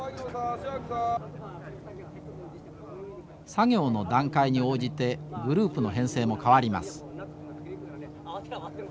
作業の段階に応じてグループの編成も変わります。